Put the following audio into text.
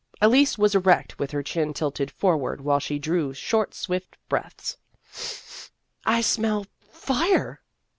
Elise was erect with her chin tilted forward while she drew short, swift breaths. " I smell fire